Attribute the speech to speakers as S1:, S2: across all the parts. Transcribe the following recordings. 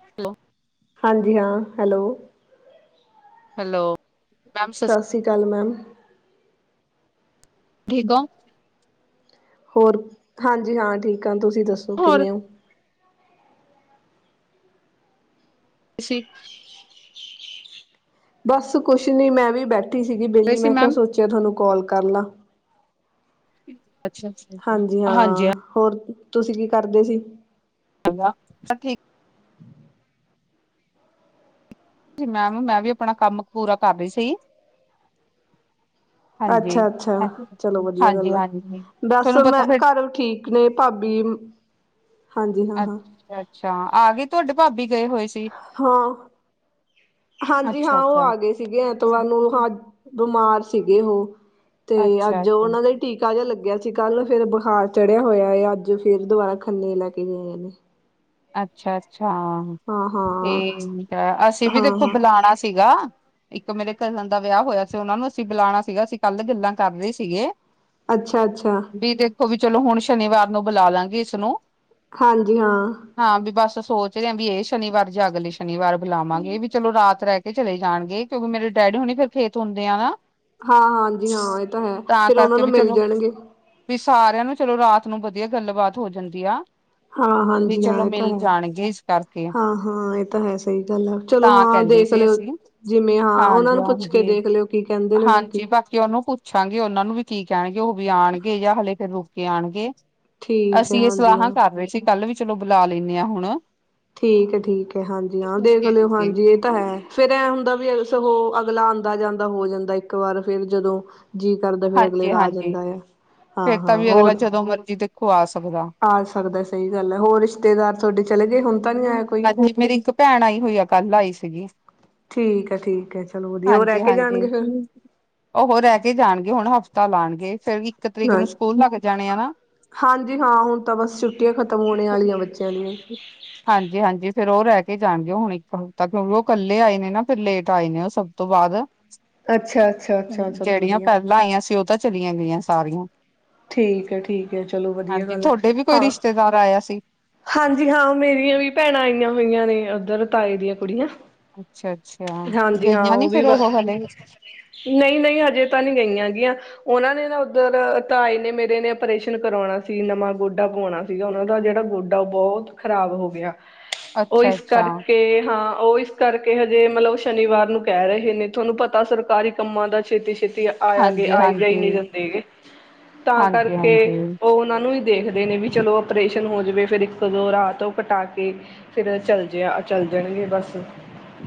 S1: Hello.
S2: ਹਾਂਜੀ ਹਾਂ hello.
S1: Hello. Ma'am ਸਸ
S2: ਸਤਿ ਸ੍ਰੀ ਅਕਾਲ ਮੈਮ।
S1: ਠੀਕ ਹੋ।
S2: ਹੋਰ ਹਾਂਜੀ ਹਾਂ ਠੀਕ ਆ, ਤੁਸੀਂ ਦੱਸੋ
S1: ਹੋਰ
S2: ਕਿਵੇਂ ਹੋ?
S1: ਅਸੀ
S2: ਬਸ ਕੁਛ ਨੀ ਮੈਂ ਵੀ ਬੈਠੀ ਸੀਗੀ
S1: ਰਹੇ
S2: ਵਿਹਲੀ,
S1: ਸੀ
S2: ਮੈਂ ਕਿਹਾ
S1: ਮੈਮ
S2: ਸੋਚਿਆ ਤੁਹਾਨੂੰ ਕਾਲ ਕਰ ਲਾ।
S1: [unintelligible]
S2: ਹਾਂਜੀ ਹਾਂ, ਹੋਰ ਤੁਸੀਂ ਕੀ ਕਰਦੇ ਸੀ।
S1: ਹੈਗਾ, ਸਭ ਠੀਕ ਜੀ ਮੈਮ, ਮੈਂ ਵੀ ਆਪਣਾ ਕੰਮ ਪੂਰਾ ਕਰ ਰਹੀ ਸੀ। ਹਾਂਜੀ।
S2: ਅੱਛਾ ਅੱਛਾ, ਚਲੋ ਵਧੀਆ
S1: ਹਾਂਜੀ,
S2: ਗੱਲ ਐ,
S1: ਹਾਂਜੀ
S2: ਬਸ
S1: ਤੁਹਾਨੂੰ ਪਤਾ
S2: ਮੈਂ
S1: ਫਿਰ
S2: ਘਰ ਠੀਕ ਨੇ ਭਾਬੀ, ਹਾਂਜੀ ਹਾਂ ਹਾਂ।
S1: ਅੱਛਾ, ਅੱਛਾ, ਆ ਗਈ ਤੁਹਾਡੇ ਭਾਬੀ ਗਏ ਹੋਏ ਸੀ।
S2: ਹਾਂ ਹਾਂਜੀ ਹਾਂ,
S1: ਅੱਛਾ,
S2: ਔ
S1: ਅੱਛਾ।
S2: ਆ ਗਏ ਸੀਗੇ
S1: ਅੱਛਾ,
S2: ਐਤਵਾਰ ਨੂੰ, ਹਾਂ ਬਿਮਾਰ ਸੀ। ਏਹੋ, ਤੇ
S1: ਅੱਛਾ,
S2: ਅੱਜ ਉਹਨਾਂ ਦਾ ਟੀਕਾ ਜਿਹਾ ਲੱਗਿਆ ਕੱਲ ਫੇਰ ਬੁਖਾਰ ਚੜਿਆ ਹੋਇਆ, ਅੱਜ ਫਿਰ ਦੁਬਾਰਾ ਖੰਨੇ ਲੈ ਕੇ ਗਏ ਨੇ।
S1: ਅੱਛਾ ਜੀ। ਅੱਛਾ
S2: ਹਾਂ
S1: ਫਿਰ
S2: ਹਾਂ
S1: ਠੀਕ ਐ, ਅਸੀਂ ਵੀ
S2: ਹਾਂ
S1: ਦੇਖੋ
S2: ਹਾਂ
S1: ਬੁਲਾਣਾ ਸੀਗਾ। ਇੱਕ ਮੇਰੇ ਕਜ਼ਨ ਦਾ ਵਿਆਹ ਹੋਇਆ ਸੀ, ਉਹਨਾ ਨੂੰ ਅਸੀਂ ਬੁਲਾਉਣਾ ਸੀਗਾ, ਅਸੀਂ ਕੱਲ ਗੱਲਾਂ ਕਰ ਰਹੇ ਸੀਗੇ।
S2: ਅੱਛਾ ਅੱਛਾ।
S1: ਵੀ ਦੇਖੋ ਵੀ ਚਲੋ ਹੁਣ ਸ਼ਨੀਵਾਰ ਨੂੰ ਬੁਲਾ ਲਾਂਗੇ ਇਸਨੂੰ
S2: ਹਾਂਜੀ। ਹਾਂ
S1: ਹਾਂ ਵੀ ਬਸ ਸੋਚ ਰਿਹਾ ਆ, ਇਹ ਸ਼ਨੀਵਾਰ ਜਾ ਅਗਲੇ ਸ਼ਨੀਵਾਰ ਬੁਲਾਵਾਂਗੇ, ਵੀ ਚਲੋ ਰਾਤ ਰਹਿ ਕੇ ਚਲੇ ਜਾਣਗੇ, ਕਿਉਂਕਿ ਮੇਰੇ ਡੈਡੀ ਹੁਣੀ ਫਿਰ ਖੇਤ ਹੁੰਦੇ ਆ ਨਾ।
S2: ਹਾਂ ਹਾਂਜੀ ਹਾਂ, ਇਹ ਤਾਂ ਹੈ, ਫੇਰ ਉਹਨਾਂ
S1: ਕਰਕੇ
S2: ਨੂੰ
S1: ਵੀ
S2: ਮਿਲ
S1: ਚਲੋ
S2: ਜਾਣਗੇ।
S1: ਵੀ ਸਾਰਿਆਂ ਨੂੰ ਚਲੋ ਰਾਤ ਨੂੰ ਵਧੀਆ ਗੱਲਬਾਤ ਹੋ ਜਾਂਦੀ ਆ।
S2: ਹਾਂ
S1: ਵੀ
S2: ਹਾਂਜੀ ਹਾਂ
S1: ਚਲੋ
S2: ਇਹ ਤਾਂ
S1: ਮਿਲ
S2: ਹੈ
S1: ਜਾਣਗੇ ਇਸ ਕਰਕੇ,
S2: ਹਾਂ ਹਾਂ ਇਹ ਤਾਂ ਹੈ ਸਹੀ ਗੱਲ ਆ ਚਲੋ
S1: ਤਾਂ
S2: ਹਾਂ
S1: ਕਹਿੰਦੇ
S2: ਦੇਖ
S1: ਸੀ ਏ
S2: ਲਿਓ
S1: ਸੀ
S2: ਜਿਵੇਂ ਹਾਂ ਉਹਨਾਂ ਨੂੰ ਪੁੱਛ ਕੇ ਦੇਖ ਲਿਓ ਕਿ
S1: ਹਾਂਜੀ ਬਾਕੀ ਔਨੂੰ ਪੁੱਛਾਂਗੇ, ਔਨਾਂ ਨੂੰ ਵੀ ਕੀ ਕਹਿਣਗੇ ਔ ਵੀ ਆਉਣਗੇ ਜਾਂ ਹਲੇੇ ਫਿਰ ਰੁ ਕੇ ਆਉਣਗੇ,
S2: ਠੀਕ ਹੈ
S1: ਅਸੀਂ ਇਹ
S2: ਹਾਂਜੀ
S1: ਸਲਾਹਾਂ
S2: ਹਾਂ
S1: ਕਰ ਰਹੇ ਸੀ ਕੱਲ ਵੀ ਚਲੋ ਬੁਲਾ ਲੈਂਦੇ ਹਾਂ ਹੁਣ
S2: ਠੀਕ ਹੈ, ਠੀਕ ਹੈ, ਹਾਂਜੀ ਹਾਂ ਦੇਖ ਲਿਓ ਹਾਂਜੀ ਇਹ ਤਾਂ ਹੈ ਫੇਰ ਐ ਹੁੰਦਾ ਵੀ ਅਗਲਾ ਆਉਂਦਾ ਜਾਂਦਾ ਹੋ ਜਾਂਦਾ ਇੱਕ ਵਾਰ, ਫੇਰ ਜਦੋਂ ਜੀਅ ਕਰਦਾ ਫੇਰ ਅਗਲੇ ਦਾ ਆ
S1: ਹਾਂਜੀ-ਹਾਂਜੀ
S2: ਜਾਂਦਾ ਐ
S1: ਫੇਰ ਤਾਂ ਵੀ ਅਗਲਾ ਜਦੋਂ ਮਰਜੀ ਦੇਖੋ ਆਸ
S2: ਆ ਸਕਦਾ ਸਹੀ ਗੱਲ ਹੈ, ਹੋਰ ਰਿਸ਼ਤੇਦਾਰ ਤੁਹਾਡੇ ਚਲੇ ਗਏ, ਹੁਣ ਤਾਂ ਨਹੀਂ ਆਇਆ ਕੋਈ।
S1: ਹਾਂਜੀ ਮੇਰੀ ਇੱਕ ਭੈਣ ਆਈ ਹੋਈ ਆ ਕੱਲ ਆਈ ਸੀਗੀ
S2: ਠੀਕ ਹੈ ਠੀਕ ਹੈ ਚਲੋ ਵਧੀਆ ਉਹ ਰਹਿ
S1: ਹਾਂਜੀ
S2: ਕੇ
S1: ਹਾਂਜੀ
S2: ਜਾਣਗੇ ਫਿਰ
S1: ਔਹ ਰਹਿ ਕੇ ਜਾਣਗੇ ਹੁਣ ਹਫ਼ਤੇ ਤਾ ਲਾਉਣਗੇ ਫਿਰਰ ਵੀ ਇੱਕ ਤਰੀਕ
S2: ਹਾਂ
S1: ਨੂੰ ਸਕੂਲ ਲੱਗ ਜਾਣੇ ਆ ਨਾ
S2: ਹਾਂਜੀ ਹਾਂ ਹੁਣ ਤਾਂ ਬਸ ਛੁੱਟੀਆਂ ਖ਼ਤਮ ਹੋਣੇ ਵਾਲੀਆਂ ਬੱਚਿਆਂ ਦੀਆਂ
S1: ਹਾਂਜੀ ਹਾਂਜੀ ਫਿਰ ਉਹ ਰਹਿ ਕੇ ਜਾਣਗੇ ਹੁਣ ਇੱਕ ਹਫ਼ਤਾ, ਕਿਉਂਕਿ ਉਹ ਇਕੱਲੇ ਆਏ ਨੇ ਨਾ ਫਿਰ ਲੇਟ ਆਏ ਨੇ ਉਹ ਸਭ ਤੋਂ ਬਾਅਦ
S2: ਅੱਛਾ ਅੱਛਾ ਅੱਛਾ ਚਲੋ
S1: ਜਿਹੜੀਆਂ
S2: ਵਧੀਆ
S1: ਪਹਿਲਾਂ ਆਈਆਂ ਸੀ, ਉਹ ਤਾਂ ਚਲੀਆਂ ਗਈਆਂ ਸਾਰੀਆਂ
S2: ਠੀਕ ਹੈ ਠੀਕ ਹੈ ਚਲੋ ਵਧੀਆ
S1: ਹਾਂਜੀ
S2: ਗੱਲ ਹੈ,
S1: ਤੁਹਾਡੇ ਵੀ ਕੋਈ
S2: ਹਾਂ
S1: ਰਿਸ਼ਤੇਦਾਰ ਆਇਆ ਸੀ।
S2: ਹਾਂਜੀ ਹਾਂ ਮੇਰੀਆਂ ਵੀ ਭੈਣਾਂ ਆਈਆਂ ਹੋਈਆਂ ਨੇ, ਉੱਧਰ ਤਾਏ ਦੀਆਂ ਕੁੜੀਆਂ।
S1: ਅੱਛਾ ਅੱਛਾ
S2: ਹਾਂਜੀ ਹਾਂ
S1: ਗਈਆਂ ਨੀ
S2: ਵੀ
S1: ਫੇਰ ਉਹ ਹਾਲੇ
S2: ਨਹੀਂ ਨਹੀਂ ਹਜੇ ਤਾਂ ਨਹੀਂ ਗਈਆਂ ਹੈਗੀਆਂ, ਉਹਨਾਂ ਨੇ ਨਾ ਉੱਧਰ ਤਾਏ ਨੇ ਮੇਰੇ ਨੇ ਆਪਰੇਸ਼ਨ ਕਰਵਾਉਣਾ ਸੀ ਨਵਾਂ ਗੋਡਾ ਪਾਵਾਉਣਾ ਸੀਗਾ, ਉਹਨਾਂ ਦਾ ਜਿਹੜਾ ਗੋਡਾ ਉਹ ਬਹੁਤ ਖ਼ਰਾਬ ਹੋ ਗਿਆ। ਔ ਇਸ
S1: ਅੱਛਾ-ਅੱਛਾ
S2: ਕਰਕੇ ਹਾਂ ਔ ਇਸ ਕਰਕੇ ਹਜੇ ਮਤਲਬ ਸ਼ਨੀਵਾਰ ਨੂੰ ਕਹਿ ਰਹੇ ਨੇ, ਤੁਹਾਨੂੰ ਪਤਾ ਸਰਕਾਰੀ ਕੰਮਾਂ ਦਾ ਛੇਤੀ ਛੇਤੀ ਆਇਆ ਗ ਆਏ ਗ ਹੀ
S1: ਹਾਂਜੀ-ਹਾਂਜੀ,
S2: ਨਹੀਂ ਦਿੰਦੇ, ਤਾਂ ਕਰਕੇ
S1: ਹਾਂਜੀ-ਹਾਂਜੀ।
S2: ਉਹ ਉਹਨਾਂ ਨੂੰ ਨੂੰ ਵੀ ਦੇਖਦੇ ਨੇ ਵੀ ਚਲੋ ਆਪਰੇਸ਼ਨ ਹੋ ਜਾਵੇ, ਫਿਰ ਇੱਕ ਦੋ ਰਾਤ ਉਹ ਕਟਾ ਤੇ, ਫੇਰ ਚੱਲ ਜ ਚੱਲ ਜਾਣਗੇ ਬਸ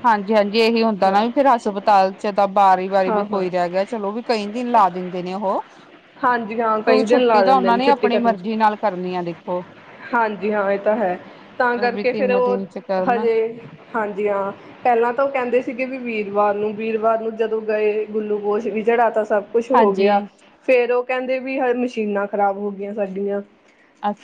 S1: ਹਾਂਜੀ ਹਾਂਜੀ ਇਹੀ ਹੁੰਦਾ
S2: ਹਾਂ
S1: ਨਾ ਵੀ ਫਿਰ ਹਸਪਤਾਲ ਚ ਤਾਂ ਵਾਰੀ ਵਾਰੀ
S2: ਹਾਂ
S1: ਵੀ
S2: ਹਾਂ
S1: ਕੋਈ ਰਹਿ ਗਿਆ, ਚਲੋ ਵੀ ਕਈ ਦਿਨ ਭਾ ਦਿੰਦੇ ਨੇ ਉਹ।
S2: ਹਾਂਜੀ ਹਾਂ
S1: ਕਿਉਂਕਿ,
S2: ਕਈ ਦਿਨ
S1: ਛੁੱਟੀ
S2: ਲਾ
S1: ਤਾਂ
S2: ਦਿੰਦੇ
S1: ਉਹਨਾਂ ਨੇ
S2: ਛੁੱਟੀ
S1: ਆਪਣੀ
S2: ਕਰਨ ਚ
S1: ਮਰਜ਼ੀ ਨਾਲ ਕਰਨੀ ਆ ਦੇਖੋ।
S2: ਹਾਂਜੀ ਹਾਂ ਇਹ ਤਾਂ ਹੈ ਤਾਂ
S1: ਵੀ
S2: ਕਰਕੇ ਫੇਰ
S1: ਤਿੰਨ
S2: ਉਹ
S1: ਦਿਨ ਚ ਕਰਨ
S2: ਹਜੇ ਹਾਂਜੀ ਹਾਂ। ਪਹਿਲਾਂ ਤਾਂ ਉਹ ਕਹਿੰਦੇ ਸੀਗੇ ਵੀ ਵੀਰਵਾਰ ਨੂੰ ਵੀਰਵਾਰ ਨੂੰ ਜਦੋਂ ਗਏ ਗੁੱਲੂਕੋਸ਼ ਵੀ ਚੜਾ ਤਾ। ਸਭ ਕੁਛ ਹੋ
S1: ਹਾਂਜੀ
S2: ਗਿਆ ਫੇਰ ਉਹ ਕਹਿੰਦੇ ਵੀ ਹ ਮਸ਼ੀਨਾਂ ਖ਼ਰਾਬ ਹੋ ਗਈਆਂ ਸਾਡੀਆਂ।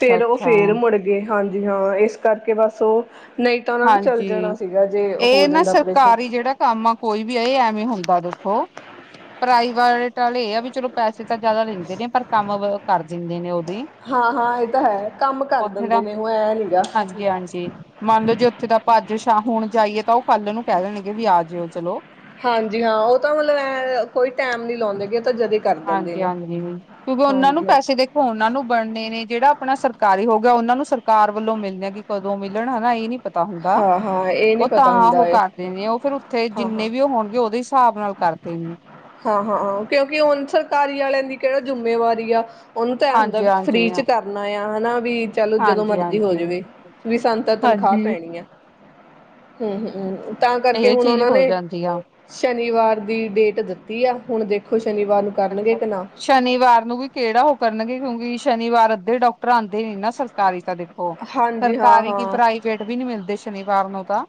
S2: ਫੇਰ ਉਹ ਫੇਰ ਮੁੜ ਗਏ ਹਾਂਜੀ ਹਾਂ ਇਸ ਕਰਕੇ ਬਸ ਉਹ ਨਹੀਂ ਤਾਂ ਉਹਨਾ ਨੇ ਚੱਲ
S1: ਹਾਂਜੀ
S2: ਜਾਣਾ ਸੀਗਾ। ਜੇ ਹੋ
S1: ਇਹ ਨਾ
S2: ਜਾਂਦਾ ਆਪਰੇਸ਼ਨ
S1: ਸਰਕਾਰੀ ਜਿਹੜਾ ਕੰਮ ਆ ਕੋਈ ਵੀ ਆ ਇਹ ਐਵੇਂ ਹੁੰਦਾ ਦੱਸੋ। ਪ੍ਰਾਈਵੇਟ ਵਾਲੇ ਇਹ ਆ ਵੀ ਚਲੋ ਪੈਸੇ। ਤਾਂ ਜ਼ਿਆਦਾ ਲੈਂਦੇ ਨੇ ਪਰ ਕੰਮ ਕਰ ਦਿੰਦੇ ਨੇ ਉਹ ਵੀ।
S2: ਹਾਂ ਹਾਂ ਇਹ ਤਾਂ ਹੈ ਕੰਮ ਕਰ
S1: ਉੱਥੇ ਦਾ
S2: ਦਿੰਦੇ ਨੇ ਉਹ ਐ ਨੀ ਗਾ
S1: ਹਾਂਜੀ ਹਾਂਜੀ ਮੰਨ ਲੋ ਜੀ ਉੱਥੇ। ਆਪਾਂ ਅੱਜ ਸ਼ਾਮ ਹੁਣ ਜਾਈਏ ਤਾਂ ਉਹ ਕੱਲ ਨੂੰ ਕਹਿ ਦੇਣਗੇ ਵੀ ਆ ਜਾਇਓ ਚਲੋ।
S2: ਹਾਂਜੀ ਹਾਂ, ਉਹ ਤਾਂ ਮਤਲਬ ਐ ਕੋਈ ਟੈਮ ਨੀ ਲਾਉਂਦੇ ਗ
S1: ਹਾਂਜੀ ਹਾਂਜੀ ਕਿਉਂਕਿ ਉਹਨਾਂ ਨੂੰ
S2: ਹਾਂਜੀ ਹਾਂ
S1: ਪੈਸੇ ਦੇਖੋ ਉਹਨਾਂ ਨੂੰ ਬਣਨੇ ਨੇ ਜਿਹੜਾ ਆਪਣਾ ਸਰਕਾਰੀ ਹੋ। ਉਹਨਾਂ ਨੂੰ ਸਰਕਾਰ ਵੱਲੋਂ ਮਿਲਦੇ ਕਿ ਕਦੋਂ ਮਿਲਣ ਹੈ ਨਾ ਇਹ ਨਹੀਂ। ਪਤਾ ਹੁੰਦਾ
S2: ਹਾਂ ਹਾਂ ਇਹ ਨੀ
S1: ਉਹ
S2: ਪਤਾ
S1: ਤਾਂ
S2: ਹੁੰਦਾ
S1: ਉਹ
S2: ਇਹ
S1: ਕਰਦੇ ਨੇ ਉਹ ਫਿਰ ਉੱਥੇ
S2: ਹਾਂ ਹਾਂ
S1: ਜਿੰਨੇ ਵੀ ਉਹ ਹੋਣਗੇ ਉਹਦੇ ਹਿਸਾਬ ਨਾਲ ਕਰਦੇ ਵੀ ਨੇ।
S2: ਹਾਂ ਹਾਂ ਕਿਉਂਕਿ ਹੁਣ ਸਰਕਾਰੀ ਵਾਲਿਆਂ ਦੀ ਕਿਹੜਾ ਜਿੰਮੇਵਾਰੀ ਆ। ਉਹਨੂੰ ਤਾਂ ਇਹ ਹੁੰਦਾ
S1: ਹਾਂਜੀ
S2: ਵੀ
S1: ਹਾਂਜੀ
S2: ਫਰੀ ਚ
S1: ਹਾਂ।
S2: ਕਰਨਾ ਆ ਹਨਾ। ਵੀ ਚੱਲ ਜਦੋਂ
S1: ਹਾਂਜੀ
S2: ਮਰਜੀ ਹੋ
S1: ਹਾਂਜੀ
S2: ਜਾਵੇ ਵੀ ਸਾਨੂੰ ਤਾਂ ਤਨਖਾਹ
S1: ਹਾਂਜੀ
S2: ਪੈਣੀ ਆ। ਹਮ ਹਮ ਤਾਂ ਕਰਕੇ
S1: ਇਹ
S2: ਹੁਣ
S1: ਚੀਜ਼
S2: ਉਹਨਾਂ
S1: ਹੋ
S2: ਨੇ।
S1: ਜਾਂਦੀ ਆ
S2: ਸ਼ਨੀਵਾਰ ਦੀ ਡੇਟ ਦਿੱਤੀ ਆ ਹੁਣ ਦੇਖੋ। ਸ਼ਨੀਵਾਰ ਨੂੰ ਕਰਨਗੇ
S1: ਅੱਛਾ
S2: ਕਿ ਨਾ
S1: ਸ਼ਨੀਵਾਰ ਨੂੰ ਵੀ ਕਿਹੜਾ ਹੋ। ਕਰਨਗੇ ਕਿਉਂਕਿ ਸ਼ਨੀਵਾਰ ਅੱਧੇ ਡਾਕਟਰ ਆਉਂਦੇ ਨੇ ਨਾ ਸਰਕਾਰੀ। ਤਾਂ ਦੇਖੋ
S2: ਹਾਂਜੀ ਹਾਂ
S1: ਸਰਕਾਰੀ ਕਿ
S2: ਹਾਂ
S1: ਪ੍ਰਾਈਵੇਟ ਵੀ ਨੀ ਮਿਲਦੇ ਸ਼ਨੀਵਾਰ ਨੂੰ ਤਾਂ।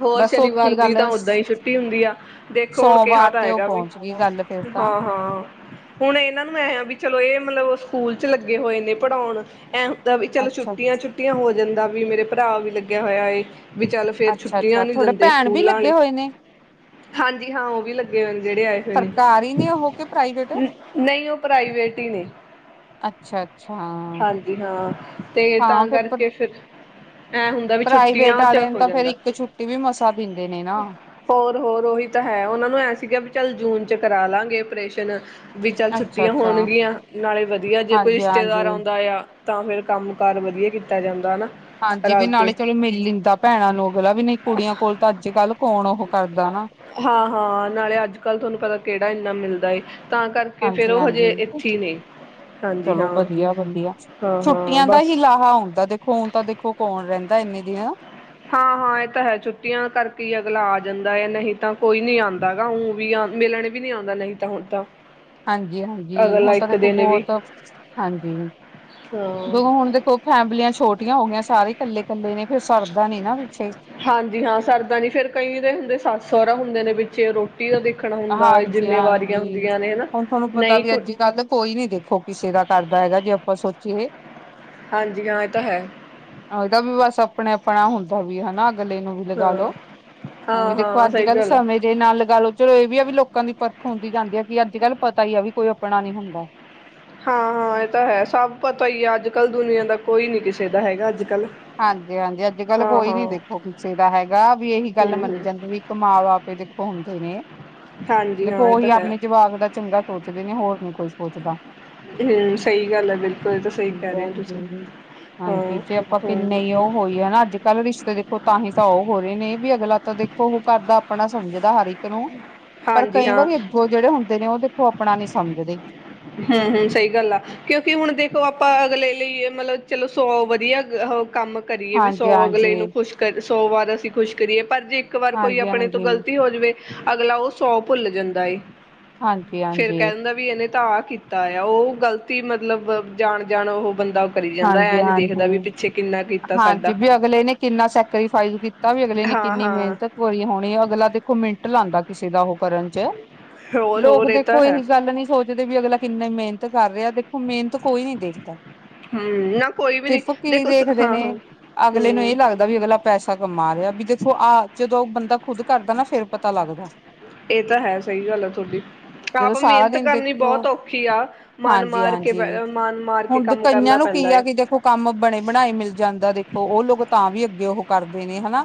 S2: ਹੋਰ
S1: ਬਸ ਉੱਥੇ
S2: ਸ਼ਨੀਵਾਰ
S1: ਹੀ
S2: ਦੀ
S1: ਗੱਲ
S2: ਤਾਂ ਓਦਾਂ ਹੀ ਛੁੱਟੀ ਹੁੰਦੀ ਆ ਦੇਖੋ ਹੁਣ ਕਿਹਾ
S1: ਸੋਮਵਾਰ
S2: ਤਾਂ
S1: ਤੇ ਉਹ
S2: ਹੈਗਾ ਵੀ।
S1: ਪਹੁੰਚ ਗਈ ਗੱਲ ਫੇਰ ਤਾਂ
S2: ਹਾਂ ਹਾਂ। ਹੁਣ ਇਹਨਾਂ ਨੂੰ ਐ ਵੀ ਚਲੋ ਇਹ ਮਤਲਬ ਸਕੂਲ ਚ ਲੱਗੇ ਹੋਏ ਨੇ ਪੜ੍ਹਾਉਣ। ਤਾਂ ਵੀ ਚੱਲ
S1: ਅੱਛਾ
S2: ਛੁੱਟੀਆਂ ਛੁੱਟੀਆਂ ਹੋ ਜਾਂਦਾ ਵੀ ਮੇਰੇ ਭਰਾ ਵੀ ਲੱਗਿਆ ਹੋਇਆ ਵੀ ਚੱਲ। ਫੇਰ
S1: ਅੱਛਾ
S2: ਛੁੱਟੀਆਂ
S1: ਅੱਛਾ
S2: ਨੀ
S1: ਤੁਹਾਡੇ
S2: ਦਿੰਦੇ
S1: ਭੈਣ ਵੀ
S2: ਸਕੂਲਾਂ
S1: ਲੱਗੇ
S2: ਵਾਲੇ
S1: ਹੋਏ ਨੇ
S2: ਹਾਂਜੀ ਹਾਂ ਉਹ ਵੀ ਲੱਗੇ ਹੋਏ। ਜਿਹੜੇ ਆਏ ਹੋਏ ਨੇ
S1: ਸਰਕਾਰੀ ਨੇ ਉਹ ਕੇ ਪ੍ਰਾਈਵੇਟ
S2: ਨਹੀਂ ਉਹ ਪ੍ਰਾਈਵੇਟ ਹੀ ਨੇ।
S1: ਅੱਛਾ ਅੱਛਾ।
S2: ਹਾਂਜੀ ਹਾਂ ਤੇ ਤਾਂ ਕਰਕੇ ਫਿਰ ਐ ਹੁੰਦਾ ਵੀ
S1: ਪ੍ਰਾਈਵੇਟ
S2: ਛੁੱਟੀਆਂ ਚ
S1: ਵਾਲੇ ਨੂੰ
S2: ਹੋ
S1: ਤਾਂ ਫੇਰ
S2: ਜਾਂਦਾ।
S1: ਇੱਕ ਛੁੱਟੀ ਵੀ ਮਸਾਂ ਦਿੰਦੇ ਨੇ ਨਾ
S2: ਹੋਰ ਹੋਰ ਉਹੀ ਤਾਂ ਹੈ ਉਹਨਾਂ ਨੂੰ ਐ ਸੀਗਾ ਵੀ ਚੱਲ ਜੂਨ। ' ਕਰਾ ਲਵਾਂਗੇ ਆਪਰੇਸ਼ਨ। ਵੀ ਚੱਲ
S1: ਅੱਛਾ
S2: ਛੁੱਟੀਆਂ
S1: ਅੱਛਾ
S2: ਹੋਣਗੀਆਂ ਨਾਲੇ ਵਧੀਆ ਜੇ ਕੋਈ
S1: ਹਾਂਜੀ
S2: ਰਿਸ਼ਤੇਦਾਰ
S1: ਹਾਂਜੀ
S2: ਆਉਂਦਾ ਆ। ਤਾਂ ਫੇਰ ਕੰਮ ਕਾਰ ਵਧੀਆ ਕੀਤਾ ਜਾਂਦਾ ਨਾ।
S1: ਹਾਂਜੀ ਵੀ ਨਾਲੇ ਚਲੋ ਮਿਲ ਲੀਤਾਂ ਦਾ ਭੈਣਾਂ ਨੂੰ ਅਗਲਾ ਵੀ ਨਹੀਂ ਕੁੜੀਆਂ ਕੋਲ ਤਾਂ ਅੱਜ ਕੱਲ ਕੌਣ ਉਹ। ਕਰਦਾ ਹਨਾਂ।
S2: ਹਾਂ ਹਾਂ ਨਾਲੇ ਅੱਜ ਕੱਲ੍ਹ ਤੁਹਾਨੂੰ ਪਤਾ ਕਿਹੜਾ ਇੰਨਾ ਮਿਲਦਾ ਏ। ਤਾਂ ਕਰਕੇ ਫੇਰ
S1: ਹਾਂਜੀ
S2: ਉਹ ਹਜੇ
S1: ਹਾਂਜੀ
S2: ਇੱਥੇ ਹੀ ਨੇ। ਹਾਂਜੀ
S1: ਚਲੋ
S2: ਹਾਂ,
S1: ਵਧੀਆ ਵਧੀਆ
S2: ਹਾਂ-ਹਾਂ
S1: ਛੁੱਟੀਆਂ ਦਾ
S2: ਬਸ
S1: ਹੀ ਲਾਹਾ ਆਉਂਦਾ ਦੇਖੋ ਉ ਤਾਂ ਦੇਖੋ ਕੌਣ ਰਹਿੰਦਾ। ਇੰਨੇ ਦਿਨ।
S2: ਹਾਂ ਹਾਂ ਇਹ ਤਾਂ ਹੈ ਛੁੱਟੀਆਂ ਕਰਕੇ ਹੀ ਅਗਲਾ ਆ ਜਾਂਦਾ ਹੈ, ਨਹੀਂ ਤਾਂ ਕੋਈ ਨੀ ਆਉਂਦਾ ਊ ਵੀ। ਮਿਲਣ ਵੀ ਨਹੀਂ ਆਉਂਦਾ ਨਹੀਂ ਤਾਂ ਹੁਣ ਤਾਂ
S1: ਹਾਂਜੀ ਹਾਂਜੀ
S2: ਅਗਲਾ
S1: ਹੁਣ ਤਾਂ
S2: ਇੱਕ
S1: ਦੇਖੋ
S2: ਦਿਨ ਵੀ
S1: ਬਹੁਤ ਹਾਂਜੀ।
S2: ਹਾਂ
S1: ਦੇੋ ਹੁਣ ਦੇਖੋ ਫੈਮਲੀਆਂ ਛੋਟੀਆਂ ਹੋ ਗਈਆਂ ਸਾਰੇ ਇਕੱਲੇ ਕੱਲੇ ਨੇ। ਫਿਰ ਸਰਦਾ ਨੀ ਨਾ ਪਿੱਛੇ
S2: ਹਾਂਜੀ ਹਾਂ ਸਰਦਾ ਨੀ ਫੇਰ ਕਈ ਦੇ ਹੁੰਦੇ ਸੱਸ ਸਹੁਰਾ ਰਾ ਹੁੰਦੇ ਨੇ ਵਿੱਚ ਰੋਟੀ। ਦਾ ਦੇਖਣਾ ਹੁੰਦਾ
S1: ਹਾਂਜੀ
S2: ਜਿੰਮੇਵਾਰੀਆਂ
S1: ਹਾਂਜੀ
S2: ਹੁੰਦੀਆਂ ਨੇ ਹਨਾ
S1: ਹੁਣ ਤੁਹਾਨੂੰ ਪਤਾ
S2: ਨਹੀਂ
S1: ਵੀ
S2: ਕੁ
S1: ਅੱਜ ਕੱਲ ਕੋਈ ਨੀ ਦੇਖੋ ਕਿਸੇ ਦਾ ਕਰਦਾ। ਹੈਗਾ ਜੇ ਆਪਾਂ ਸੋਚੀਏ।
S2: ਹਾਂਜੀ ਹਾਂ ਇਹ ਤਾਂ ਹੈ।
S1: ਇਹਦਾ ਵੀ ਬਸ ਆਪਣੇ ਆਪਣਾ ਹੁੰਦਾ ਵੀ ਹਨਾ। ਗਲੇ ਨੂੰ ਵੀ
S2: ਹਾਂ
S1: ਲਗਾ ਲੋ ਹਾਂ ਵੀ ਦੇਖੋ ਅੱਜ
S2: ਸਹੀ
S1: ਕੱਲ੍ਹ
S2: ਗੱਲ ਹੈ
S1: ਸਮੇਂ ਦੇ ਨਾਲ ਲਗਾ ਲੋ। ਵੀ ਆ ਵੀ ਲੋਕਾਂ ਦੀ ਪਰਖ ਹੁੰਦੀ ਜਾਂਦੀ ਹੈ ਕਿ ਅੱਜ ਕੱਲ ਪਤਾ ਹੀ ਆ ਵੀ ਕੋਈ ਆਪਣਾ ਨੀ ਹੁੰਦਾ।
S2: ਹਾਂ -ਹਾਂ ਇਹ ਤਾਂ ਹੈ ਸਭ ਪਤਾ ਹੀ ਹੈ ਅੱਜ ਕੱਲ੍ਹ ਦੁਨੀਆਂ ਦਾ ਕੋਈ ਨੀ ਕਿਸੇ ਦਾ ਹੈਗਾ ਅੱਜ ਕੱਲ੍ਹ
S1: ਹਾਂਜੀ- ਹਾਂਜੀ ਅੱਜ ਕੱਲ੍ਹ
S2: ਹਾਂ
S1: ਕੋਈ
S2: ਹਾਂ
S1: ਨੀ ਦੇਖੋ ਕਿਸੇ ਦਾ ਹੈਗਾ ਵੀ ਇਹੀ ਗੱਲ
S2: ਹਮ
S1: ਮੰਨੀ
S2: ਹਮ
S1: ਜਾਂਦੀ ਇੱਕ ਮਾਂ-ਬਾਪ ਦੇਖੋ ਹੁੰਦੇ ਨੇ।
S2: ਹਾਂਜੀ ਹਾਂ
S1: ਦੇਖੋ
S2: ਇਹ
S1: ਉਹੀ
S2: ਤਾਂ ਹੈ
S1: ਆਪਣੇ ਜਵਾਕ ਦਾ ਚੰਗਾ ਸੋਚਦੇ ਨੇ ਹੋਰ ਨ ਕੋਈ ਸੋਚਦਾ।
S2: ਹੂੰ ਸਹੀ ਗੱਲ ਹੈ ਬਿਲਕੁਲ ਇਹ ਤਾਂ ਸਹੀ ਕਹਿ ਰਹੇ ਹੋ ਤੁਸੀਂ
S1: ਹਾਂਜੀ
S2: ਹੂੰ।
S1: ਜੇ ਆਪਾਂ ਕਿੰਨੇ ਉਹ ਹੋਈ ਹਨਾ ਅੱਜ ਕੱਲ੍ਹ ਰਿਸ਼ਤੇ ਦੇਖੋ ਤਾਂਹੀ ਤਾਂ ਉਹ ਹੋ ਰਹੇ ਨੇ ਵੀ ਅਗਲਾ ਤਾਂ ਦੇਖੋ ਉਹ ਕਰਦਾ ਆਪਣਾ ਸਮਝਦਾ ਹਰ ਇੱਕ ਨੂੰ ਪਰ
S2: ਹਾਂਜੀ
S1: ਕਈ
S2: ਹਾਂ
S1: ਵਾਰੀ ਅੱਗੋਂ ਜਿਹੜੇ ਹੁੰਦੇ ਨੇ ਉਹ ਦੇਖੋ ਆਪਣਾ ਨੀ ਸਮਝਦੇ।
S2: ਹੂੰ-ਹੂੰ ਸਹੀ ਗੱਲ ਆ ਕਿਉਂਕਿ ਹੁਣ ਦੇਖੋ ਆਪਾਂ ਅਗਲੇ ਲਈ ਮਤਲਬ ਚਲੋ ਸੌ ਵਧੀਆ ਉਹ ਕੰਮ ਕਰੀਏ ਵੀ ਸੌ
S1: ਹਾਂਜੀ
S2: ਅਗਲੇ ਨੂੰ
S1: ਹਾਂਜੀ
S2: ਖੁਸ਼ ਕਰ ਸੌ ਵਾਰ ਅਸੀਂ ਖੁਸ਼ ਕਰੀਏ। ਪਰ ਜੇ ਇੱਕ ਵਾਰ ਕੋਈ
S1: ਹਾਂਜੀ
S2: ਆਪਣੇ ਤੋਂ
S1: ਹਾਂਜੀ
S2: ਗ਼ਲਤੀ ਹੋ ਜਾਵੇ ਅਗਲਾ ਉਹ ਸੌ ਭੁੱਲ ਜਾਂਦਾ ਏ।
S1: ਹਾਂਜੀ-
S2: ਫੇਰ
S1: ਹਾਂਜੀ।
S2: ਕਹਿ ਦਿੰਦਾ ਵੀ ਇਹਨੇ ਤਾਂ ਕੀਤਾ ਆ ਉਹ ਗ਼ਲਤੀ ਮਤਲਬ ਜਾਣ- ਜਾਣ ਉਹ ਬੰਦਾ ਉਹ ਕਰੀ ਜਾਂਦਾ ਐ
S1: ਹਾਂਜੀ-
S2: ਨੀ
S1: ਹਾਂਜੀ
S2: ਦੇਖਦਾ ਵੀ ਪਿੱਛੇ ਕਿੰਨਾ ਕੀਤਾ
S1: -ਹਾਂਜੀ
S2: ਸਾਡਾ
S1: ਵੀ ਅਗਲੇ ਨੇ ਕਿੰਨਾ ਸੈਕਰੀਫਾਈਸ ਕੀਤਾ ਵੀ ਅਗਲੇ ਨੇ
S2: ਹਾਂ
S1: ਕਿੰਨੀ
S2: ਹਾਂ
S1: ਮਿਹਨਤ ਵਾਲ ਹੋਣੀ ਅਗਲਾ ਦੇਖੋ ਮਿੰਟ ਲਾਉਂਦਾ ਕਿਸੇ ਦਾ ਉਹ ਕਰਨ 'ਚ
S2: ਹੋਰ
S1: ਲੋਕ
S2: ਹੋਰ ਇਹ ਤਾਂ
S1: ਦੇਖੋ
S2: ਹੈ
S1: ਇਹੀ ਗੱਲ ਨੀ ਸੋਚਦੇ ਵੀ ਅਗਲਾ ਕਿੰਨੇ ਮਿਹਨਤ ਕਰ ਰਿਹਾ ਦੇਖੋ ਮੇਹਨਤ ਕੋਈ ਨੀ ਦੇਖਦਾ
S2: ਹੂੰ ਨਾ ਕੋਈ ਵੀ ਨੀ
S1: ਸਿਰਫ ਕੀ
S2: ਦੇਖੋ
S1: ਦੇਖਦੇ
S2: ਹਾਂ
S1: ਨੇ
S2: -ਹਾਂ।
S1: ਅਗਲੇ ਨੂੰ ਇਹ
S2: ਹੂੰ
S1: ਲੱਗਦਾ ਵੀ ਅਗਲਾ ਪੈਸਾ ਕਮਾ ਰਿਹਾ ਵੀ ਦੇਖੋ ਆਹ ਜਦੋਂ ਬੰਦਾ ਖੁਦ ਘਰ ਦਾ ਨਾ ਫੇਰ ਪਤਾ ਲੱਗਦਾ।
S2: ਇਹ ਤਾਂ ਹੈ ਸਹੀ ਗੱਲ ਹੈ ਤੁਹਾਡੀ
S1: ਜਦੋਂ
S2: ਆਪ
S1: ਸਾਰਾ
S2: ਮਿਹਨਤ
S1: ਦਿਨ
S2: ਕਰਨੀ
S1: ਦੇਖੋ
S2: ਬਹੁਤ ਔਖੀ ਆ ਮਨ
S1: ਹਾਂਜੀ
S2: ਮਾਰ ਕੇ ਬ
S1: ਹਾਂਜੀ
S2: ਮਨ ਮਾਰ ਕੇ
S1: ਹੁਣ
S2: ਕੰਮ
S1: ਕਈਆਂ
S2: ਕਰਨਾ
S1: ਨੂੰ ਕੀ
S2: ਪੈਂਦਾ
S1: ਆ
S2: ਏ
S1: ਕਿ ਦੇਖੋ ਕੰਮ ਬਣੇ ਬਣਾਏ ਮਿਲ ਜਾਂਦਾ ਦੇਖੋ ਉਹ ਲੋਕ ਤਾਂ ਵੀ ਅੱਗੇ ਉਹ ਕਰਦੇ ਨੇ ਹਨਾ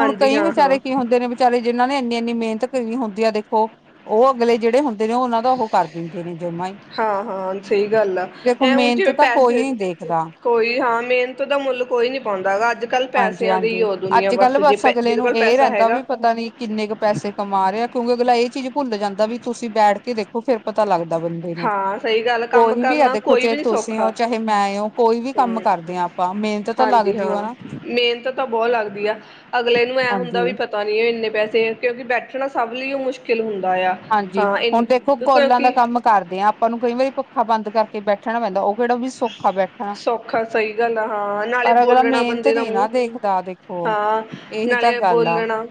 S1: ਹੁਣ ਕਈ
S2: ਹਾਂ ਹਾਂ
S1: ਵਿਚਾਰੇ ਕੀ ਹੁੰਦੇ ਨੇ ਵਿਚਾਰੇ ਜਿਹਨਾਂ ਨੇ ਇੰਨੀ ਮਿਹਨਤ ਈ ਹੁੰਦੀ ਆ ਦੇਖੋ ਉਹ ਅਗਲੇ ਜਿਹੜੇ ਹੁੰਦੇ ਨੇ ਉਹਨਾਂ ਦਾ ਉਹ ਕਰ ਦਿੰਦੇ ਨੇ ਜਮਾ ਹੀ
S2: ਹਾਂ ਹਾਂ ਸਹੀ ਗੱਲ ਆ
S1: ਦੇਖੋ
S2: ਇਹ ਹੁਣ
S1: ਮਿਹਨਤ
S2: ਜਿਵੇਂ
S1: ਤਾਂ ਕੋਈ
S2: ਪੈਸੇ
S1: ਨੀ ਦੇਖਦਾ।
S2: ਕੋਈ ਹਾਂ ਮਿਹਨਤ ਦਾ ਮੁੱਲ ਕੋਈ ਨੀ ਪਾਉਂਦਾ ਹੈਗਾ ਅੱਜ ਕੱਲ
S1: ਹਾਂਜੀ
S2: ਪੈਸਿਆਂ ਦੀ
S1: ਹਾਂਜੀ
S2: ਹੀ ਉਹ ਦੁਨੀਆ
S1: ਅੱਜ
S2: ਬਸ
S1: ਕੱਲ
S2: ਜੇ
S1: ਅਗਲੇ
S2: ਜਿਹਦੇ
S1: ਨੂੰ
S2: ਕੋਲ
S1: ਇਹ
S2: ਪੈਸਾ
S1: ਰਹਿੰਦਾ ਵੀ
S2: ਹੈਗਾ
S1: ਪਤਾ ਨੀ ਕਿੰਨੇ ਕ ਪੈਸੇ ਕਮਾ ਰਿਹਾ ਆ ਕਿਉਂਕਿ ਅਗਲਾ ਇਹ ਚੀਜ਼ ਭੁੱਲ ਜਾਂਦਾ ਵੀ ਤੁਸੀਂ ਬੈਠ ਕੇ ਦੇਖੋ ਫੇਰ ਪਤਾ ਲੱਗ ਬੰਦੇ ਨੂੰ
S2: ਹਾਂ ਸਹੀ ਗੱਲ ਕੰਮ
S1: ਕੋਈ ਵੀ ਆ
S2: ਕਰਨਾ
S1: ਦੇਖੋ
S2: ਕੋਈ
S1: ਜੇ
S2: ਵੀ ਨੀ
S1: ਤੁਸੀਂ ਉਹ
S2: ਸੌਖਾ
S1: ਚਾਹੇ ਮੈਂ ਉਹ ਕੋਈ ਵੀ ਕੰਮ
S2: ਹਮ
S1: ਕਰਦੇ ਹਾਂ ਆਪਾਂ ਮਿਹਨਤ ਤਾਂ
S2: ਹਾਂਜੀ
S1: ਲੱਗਦੀ ਔ
S2: ਹਾਂ
S1: ਹੈ ਨਾ।
S2: ਮਿਹਨਤ ਤਾਂ ਬਹੁਤ ਲੱਗਦੀ ਆ ਅਗਲੇ ਨੂੰ ਐਂ ਹੁੰਦਾ
S1: ਹਾਂਜੀ
S2: ਵੀ ਪਤਾ ਨੀ ਇੰਨੇ ਪੈਸੇ ਕਿਉਂਕਿ ਬੈਠਣਾ ਸਭ ਲਈ ਉਹ ਮੁਸ਼ਕਿਲ ਹੁੰਦਾ ਆ
S1: ਹਾਂਜੀ
S2: ਹਾਂ ਇ
S1: ਹੁਣ ਦੇਖੋ ਕੋਲਾਂ ਦਾ
S2: ਕਿਉਂਕਿ
S1: ਕੰਮ ਕਰਦੇ ਹਾਂ ਆਪਾਂ ਨੂੰ ਕਈ ਵਾਰੀ ਪੱਖਾ ਬੰਦ ਕਰਕੇ ਬੈਠਣਾ ਪੈਂਦਾ ਉਹ ਕਿਹੜਾ ਵੀ ਸੌਖਾ ਬੈਠਣਾ
S2: ਸੌਖਾ ਸਹੀ ਗੱਲ ਆ ਹਾਂ ਨਾਲੇ
S1: ਪਰ ਅਗਲਾ
S2: ਬੋਲਣਾ
S1: ਮਿਹਨਤ
S2: ਬੰਦੇ ਦਾ
S1: ਨੀ ਨਾ
S2: ਮੂੰਹ
S1: ਦੇਖਦਾ ਦੇਖੋ।
S2: ਹਾਂ
S1: ਇਹੀ ਤਾਂ
S2: ਨਾਲੇ
S1: ਗੱਲ ਆ
S2: ਬੋਲਣਾ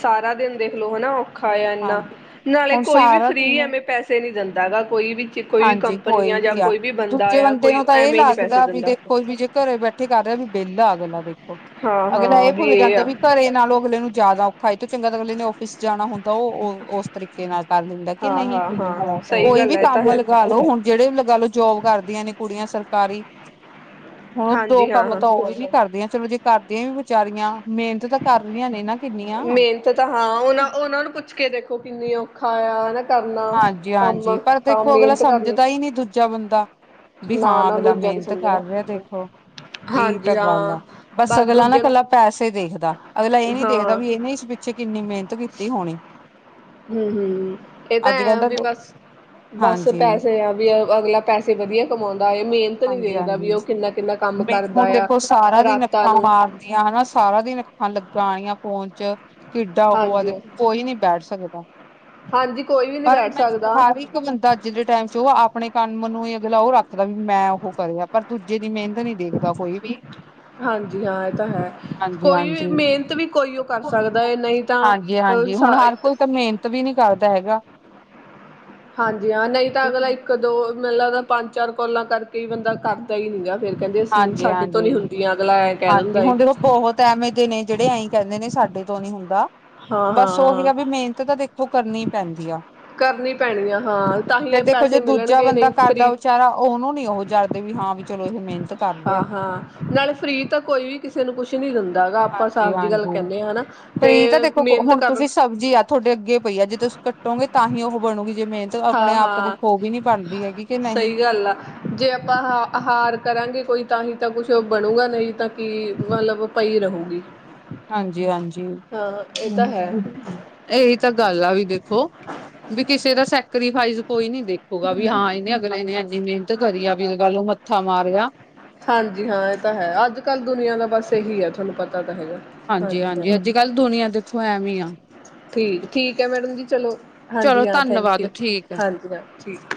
S2: ਸਾਰਾ ਦਿਨ ਦੇਖਲੋ ਹੈ ਨਾ ਉਹ ਔਖਾ ਆ ਇਨਾ
S1: ਹਾਂਜੀ
S2: ਨਾਲੇ
S1: ਹੁਣ
S2: ਕੋਈ ਵੀ
S1: ਸਾਰਾ
S2: ਫ੍ਰਰੀ
S1: ਦਿਨ
S2: ਐਵੇਂ ਪੈਸੇ ਨੀ ਦਿੰਦਾ ਹੈਗਾ ਕੋਈ ਵੀ 'ਚ ਕੋਈ ਵੀ
S1: ਹਾਂਜੀ
S2: ਕੰਪਨੀ ਜਾਂ
S1: ਆ
S2: ਕੋਈ ਵੀ ਬੰਦਾ
S1: ਦੂਜੇ
S2: ਆ।
S1: ਬੰਦੇ
S2: ਕੋਈ
S1: ਨੂੰ ਤਾਂ ਇਹ
S2: ਐਵੇਂ ਹੀ ਨਹੀਂ ਪੈਸੇ
S1: ਲੱਗਦਾ ਵੀ
S2: ਦਿੰਦਾ
S1: ਦੇਖੋ ਵੀ ਜੇ ਘਰੇ ਬੈਠੇ ਕਰ ਰਿਹਾ ਵੀ ਬੇਲਾ ਅਗਲਾ ਦੇਖੋ।
S2: ਹਾਂ
S1: ਅਗਲਾ
S2: ਹਾਂ
S1: ਇਹ ਭੁੱਲ ਜਾਂਦਾ
S2: ਆ
S1: ਵੀ ਘਰੇ ਨਾਲੋਂ ਅਗਲੇ ਨੂੰ ਜ਼ਿਆਦਾ ਔਖਾ ਹੈ ਇਹ ਤੋਂ ਚੰਗਾ ਤਾਂ ਅਗਲੇ ਨੇ ਔਫਿਸ ਜਾਣਾ ਹੁੰਦ ਉਹ ਉਸ ਤਰੀਕੇ ਨਾਲ ਕਰ ਲੈਂਦਾ ਕਿ
S2: ਹਾਂ
S1: ਨਹੀਂ
S2: ਹਾਂ ਹਾਂ ਸਹੀ
S1: ਕੋਈ
S2: ਗੱਲ
S1: ਵੀ
S2: ਹੈ ਇਹ ਤਾਂ
S1: ਕੰਮ
S2: ਹੈ
S1: ਲਗਾ ਲੋੋ ਹੁਣ ਜਿਹੜੇ ਗਲ ਜੋਬ ਕਰਦੀਆਂ ਨੇ ਕੁੜੀਆਂ ਸਰਕਾਰੀ ਹੁਣ ਉਹ ਦੋ
S2: ਹਾਂਜੀ ਹਾਂ
S1: ਕੰਮ
S2: ਹਾਂ
S1: ਤਾਂ ਉਹੀ ਨੀ ਕਰਦੀਆਂ ਚਲੋ ਜੇ ਕਰਦੀਆਂ ਵੀ ਵਿਚਾਰੀਆਂ ਮਿਹਨਤ ਤਾਂ ਕਰ ਰਹੀਆਂ ਨੇ ਨਾ ਕਿੰਨੀਆਂ
S2: ਪੁਛ ਕੇ ਦੇਖੋ ਕਿੰਨੀ ਔਖਾ ਆ ਹੈ ਨਾ। ਕਰਨਾ
S1: ਹਾਂਜੀ
S2: ਕੰਮ
S1: ਹਾਂਜੀ ਪਰ
S2: ਹਾਂ
S1: ਦੇਖੋ ਅਗਲਾ
S2: ਮਿਹਨਤ ਕਰਨੀ।
S1: ਸਮਝਦਾ ਹੀ ਨਹੀਂ ਦੂਜਾ ਬੰਦਾ ਵੀ
S2: ਨਾ
S1: ਹਾਂ
S2: ਨਾ
S1: ਅਗਲਾ
S2: ਦੂਜਿਆਂ ਨੂੰ
S1: ਮਿਹਨਤ
S2: ਸਮਝਣਾ
S1: ਕਰ ਰਿਹਾ ਦੇਖੋ। ਇਹੀ ਤਾਂ
S2: ਹਾਂਜੀ
S1: ਗੱਲ
S2: ਹਾਂ
S1: ਆ ਬਸ ਅਗਲਾ ਨਾ
S2: ਦੂਜੇ ਨੂੰ
S1: ਇਕੱਲਾ ਪੈਸੇ ਦੇਖਦਾ ਅਗਲਾ ਇਹ ਨੀ ਦੇਖਦਾ
S2: ਹਾਂ
S1: ਵੀ ਇਹ ਨਾ ਇਸ। ਪਿਛੇ ਕਿੰਨੀ ਮਿਹਨਤ ਕੀਤੀ ਹੋਣੀ।
S2: ਹਮ ਹਮ ਇਹ ਤਾਂ
S1: ਅੱਜ ਕੱਲ
S2: ਹੈ ਵੀ ਬਸ ਬਸ
S1: ਹਾਂਜੀ
S2: ਪੈਸੇ ਆ ਵੀ। ਅਗਲਾ ਪੈਸੇ ਵਧੀਆ ਕਮਾਉਂ। ਮਿਹਨਤ ਵੀ
S1: ਹਾਂਜੀ
S2: ਦੇਖਦਾ ਵੀ
S1: ਹਾਂਜੀ
S2: ਉਹ ਕਿੰਨਾ ਕਿੰਨਾ ਕੰਮ ਕਰਦਾ
S1: ਹੁਣ
S2: ਆ
S1: ਦੇਖੋ ਸਾਰਾ ਦਿਨ
S2: ਰਾਤਾਂ
S1: ਅੱਖਾਂ
S2: ਨੂੰ।
S1: ਮਾਰਦੀਆਂ ਹਨਾ ਸਾਰਾ ਦਿਨ ਅੱਖਾਂ ਲੱਗਾਣੀਆਂ ਫੋਨ ਚ। ਕਿੱਡਾ ਉਹ ਆ
S2: ਹਾਂਜੀ
S1: ਦੇਖੋ ਕੋਈ ਨਹੀਂ ਬੈਠ ਸਕਦਾ।
S2: ਹਾਂਜੀ ਕੋਈ ਵੀ ਨਹੀਂ
S1: ਪਰ
S2: ਬੈਠ
S1: ਮੈਂ
S2: ਸਕਦਾ
S1: ਹਰ ਇੱਕ ਬੰਦਾ ਅੱਜ ਦੇ ਟਾਈਮ ਚ ਉਹ ਆਪਣੇ ਕੰਮ ਨੂੰ [unintelligible] ਅਗਲਾ ਉਹ ਰੱਖਦਾ ਵੀ ਮੈਂ ਉਹ ਕਰਿਆ ਪਰ ਦੂਜੇ ਦੀ ਮਿਹਨਤ ਨੀ ਦੇਖਦਾ ਕੋਈ ਵੀ।
S2: ਹਾਂਜੀ ਹਾਂ ਇਹ ਤਾਂ ਹੈ।
S1: ਹਾਂਜੀ
S2: ਕੋਈ ਵੀ ਮਿਹਨਤ ਵੀ ਕੋਈ ਉਹ ਕਰ
S1: -ਹਾਂਜੀ-
S2: ਸਕਦਾ ਹੈ ਨਹੀਂ
S1: ਹਾਂਜੀ -ਹਾਂਜੀ ਹੁਣ
S2: ਤਾਂ
S1: ਹਰ ਕੋਈ ਤਾਂ ਮਿਹਨਤ ਵੀ ਨੀ ਕਰਦਾ ਹੈਗਾ।
S2: [inaudible] ਹਾਂਜੀ ਹਾਂ ਨਹੀਂ ਤਾਂ ਅਗਲਾ ਇੱਕ ਦੋ ਮੈਨੁ ਲੱਗਦਾ ਪੰਜ ਚਾਰ ਕੋਲਾਂ ਕਰਕੇ ਬੰਦਾ ਕਰਦਾ ਹੀ ਨੀ ਗਾ। ਫੇਰ ਕਹਿੰਦੇ ਅਸੀਂ
S1: ਹਾਂਜੀ
S2: ਸਾਡੇ ਤੋਂ ਨੀ
S1: ਹਾਂਜੀ
S2: ਹੁੰਦੀਆਂ ਅਗਲਾ ਕਹਿ
S1: ਹਾਂਜੀ
S2: ਦਿੰਦਾ ਏ
S1: ਹੁਣ ਦੇਖੋ ਬਹੁਤ ਐਵੇਂ ਜੇ ਨੇ ਜਿਹੜੇ ਐਈ ਕਹਿੰਦੇ ਨੇ ਸਾਡੇ ਤੋਂ ਨੀ ਹੁੰਦਾ।
S2: ਹਾਂ
S1: ਬਸ ਉਹੀ
S2: ਹਾਂ
S1: ਆ ਵੀ ਮਿਹਨਤ ਤਾਂ ਦੇਖੋ ਕਰਨੀ ਪੈਂਦੀ ਆ।
S2: ਕਰਨੀ ਪੈਣੀ ਆ ਹਾਂ ਤਾਂ ਹੀ
S1: ਤੇ
S2: ਇਹ
S1: ਦੇਖੋ ਜੇ
S2: ਪੈਸੇ
S1: ਦੂਜਾ
S2: ਮਿਲਣਗੇ
S1: ਬੰਦਾ
S2: ਨਹੀਂ
S1: ਕਰਦਾ
S2: ਫਰੀ
S1: ਵਿਚਾਰਾ ਉਹਨੂੰ ਨੀ ਉਹ [unintelligible] [unintelligible] ਆ
S2: [unintelligible] ਤਾਂ ਕੋਈ ਵੀ ਕਿਸੇ ਨੂੰ ਕੁਛ ਨੀ ਦਿੰਦਾ ਹੈਗਾ ਆਪਾਂ
S1: ਹਾਂਜੀ
S2: ਸਾਫ਼ ਜੀ ਗੱਲ
S1: ਹਾਂਜੀ
S2: ਕਹਨੇ ਹਾ ਨਾ ਤੇ ਮਿਹਨਤ ਕਰਨ
S1: ਜੀ ਆ ਤੁਹਾਡੇ ਅੱਗੇ ਪਈ ਆ ਜੇ ਤੁਸੀਂ ਕੱਟੋਗੇ ਤਾਂ ਹੀ ਉਹ ਬਣੂਗੀ। ਜੇ ਮਿਹਨਤ
S2: ਹਾਂ
S1: ਆਪਣੇ ਆਪ ਤਾਂ
S2: ਹਾਂ
S1: ਦੇਖੋ ਉਹ ਵੀ ਨੀ ਬਣਦੀ ਹੈਗੀ ਕਿ ਨਹੀਂ
S2: ਸਹੀ ਗੱਲ ਆ ਜੇ ਆਪਾਂ ਹਾਰ ਕਰ। ਕਹਾਂਗੇ ਕੋਈ ਤਾਂ ਹੀ ਤਾਂ ਕੁਛ ਬਣੂਗਾ ਨਹੀਂ ਤਾਂ ਕਿ ਮਤਲਬ ਪਈ ਰਹੂਗੀ।
S1: ਹਾਂਜੀ ਹਾਂਜੀ।
S2: ਹਾਂ ਇਹ ਤਾਂ ਹੈ
S1: ਏਹੀ ਤਾਂ ਗੱਲ ਆ ਵੀ ਦੇਖੋ ਵੀ ਕਿਸੇ ਦਾ [unintelligible] ਸੈਕਰੀਫਾਈਸ ਕੋਈ ਨੀ ਦੇਖੂਗਾ ਵੀ ਹਾਂ ਇਹਨੇ ਅਗਲੇਨੇ ਇੰਨੀ ਮਿਹਨਤ ਕਰੀ ਆ ਵੀ [unintelligible] [unintelligible]
S2: ਹਾਂਜੀ ਹਾਂ ਇਹ ਤਾਂ ਹੈ ਅੱਜ ਕੱਲ੍ਹ ਦੁਨੀਆਂ ਦਾ ਬਸ ਇਹੀ ਹੈ ਤੁਹਾਨੂੰ ਪਤਾ। ਤਾਂ ਹੈਗਾ ਹਾਂਜੀ
S1: ਹਾਂਜੀ--ਹਾਂਜੀ
S2: ਹਾਂ
S1: ਅਜ ਕੱਲ ਦੁਨੀਆਂ ਦੇਖੋ ਐਵੇਂ ਆ।
S2: ਠੀਕ ਠੀਕ ਹੈ ਮੈਡਮ ਜੀ ਚਲੋ।
S1: ਚਲੋ
S2: ਹਾਂਜੀ ਹਾਂ ਥੈਂਕ ਯੂ
S1: ਧੰਨਵਾਦ ਠੀਕ ਹੈ
S2: ਹਾਂਜੀ ਹਾਂ ਠੀਕ।